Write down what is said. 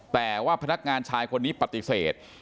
แต่ว่าพนักงานชายคนนี้ปฏิเสธ